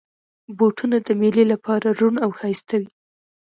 بوټونه د مېلې لپاره روڼ او ښایسته وي.